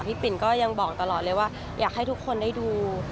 ปิ่นก็ยังบอกตลอดเลยว่าอยากให้ทุกคนได้ดู